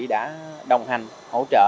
đã đồng hành hỗ trợ